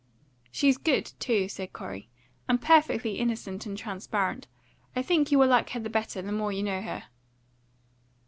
"She's good, too," said Corey, "and perfectly innocent and transparent. I think you will like her the better the more you know her."